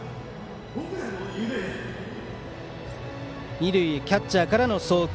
二塁へキャッチャーからの送球。